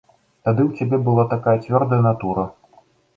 Тады ў цябе была такая цвёрдая натура.